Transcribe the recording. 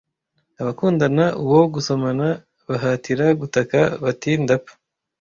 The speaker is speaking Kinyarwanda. abakundana uwo gusomana bahatira gutaka bati ndapfa